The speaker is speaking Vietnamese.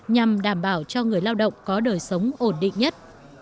nhằm đảm bảo cho người lao động có đời sống ổn định nhất